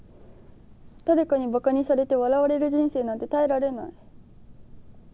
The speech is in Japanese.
誰かにバカにされて笑われる人生なんて耐えられない。